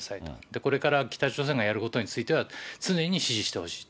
これから北朝鮮がやることについては、常に支持してほしいと。